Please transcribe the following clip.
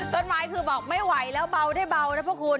ต้นไม้คือบอกไม่ไหวแล้วเบาได้เบานะพวกคุณ